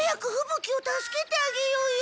鬼を助けてあげようよ。